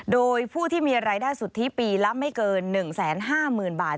โดยผู้ที่มีรายได้สุทธิปีละไม่เกิน๑๕๐๐๐บาท